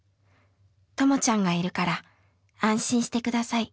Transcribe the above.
ともちゃんがいるから安心して下さい。